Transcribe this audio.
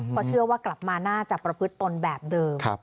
เพราะเชื่อว่ากลับมาน่าจะประพฤติตนแบบเดิม